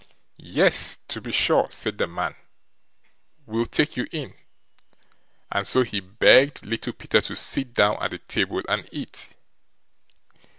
"Yes, to be sure", said the man, "we'll take you in"; and so he begged Little Peter to sit down at the table and eat.